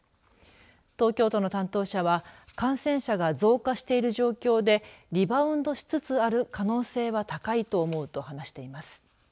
東京都の担当者は感染者が増加している状況でリバウンドしつつある可能性は高いと思うと話しています。